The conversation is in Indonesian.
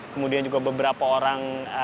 kemudian juga beberapa orang